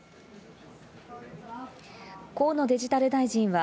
河野デジタル大臣は、